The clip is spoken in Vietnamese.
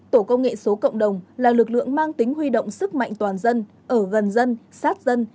tổ công nghệ số cộng đồng là lực lượng mang tính huy động sức mạnh toàn dân ở gần dân sát dân